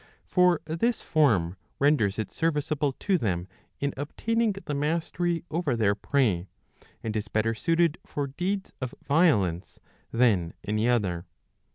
For 662b. 6o iii. I — iii. 2. this form renders it serviceable to them in obtaining the mastery over their prey, and is better suited for deeds of violence than any other.